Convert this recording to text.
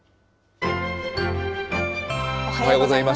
おはようございます。